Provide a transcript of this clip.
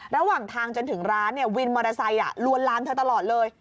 ระหว่างทางจนถึงร้านวินมอเตอร์ไซค์ลวนลามเธอตลอดเลย